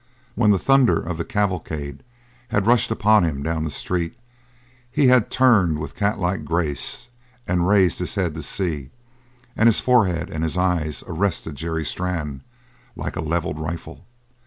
When the thunder of the cavalcade had rushed upon him down the street he had turned with catlike grace and raised his head to see; and his forehead and his eyes arrested Jerry Strann like a levelled rifle.